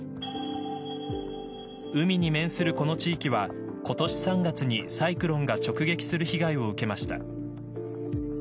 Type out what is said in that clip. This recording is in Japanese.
海に面するこの地域は今年３月にサイクロンが直撃する被害を受けました。